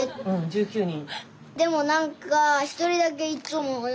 １９人。